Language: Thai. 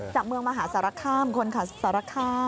จากเมืองมหาสารคามคนสารคาม